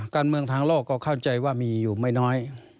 การเมืองทางโลกก็เข้าใจว่ามีอยู่ไม่น้อย